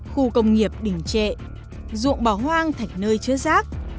khu công nghiệp đỉnh trệ ruộng bảo hoang thảy nơi chứa rác